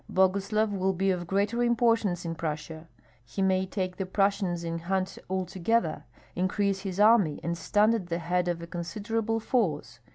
Boguslav will be of greater importance in Prussia; he may take the Prussians in hand altogether, increase his army, and stand at the head of a considerable force.